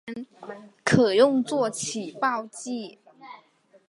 可用作起爆剂。